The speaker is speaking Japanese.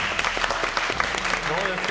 どうですか？